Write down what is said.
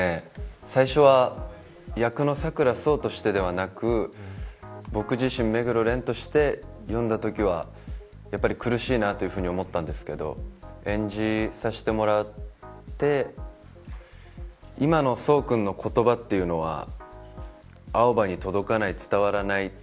最初は役の佐倉想としてではなく僕自身、目黒蓮として読んだときはやっぱり苦しいなと思ったんですけど演じさせてもらって今の想くんの言葉というのは青羽に届かない、伝わらない。